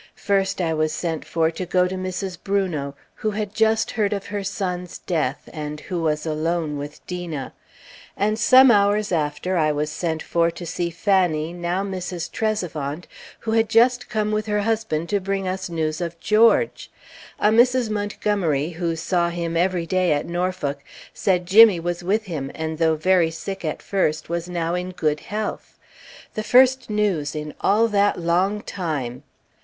First, I was sent for, to go to Mrs. Brunot, who had just heard of her son's death, and who was alone with Dena; and some hours after, I was sent for, to see Fanny, now Mrs. Trezevant, who had just come with her husband to bring us news of George. A Mrs. Montgomery, who saw him every day at Norfolk, said Jimmy was with him, and though very sick at first, was now in good health. The first news in all that long time!